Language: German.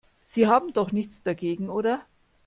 Sie haben doch nichts dagegen, oder?